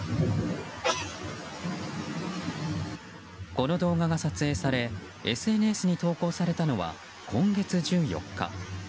この動画が撮影され、ＳＮＳに投稿されたのは今月１４日。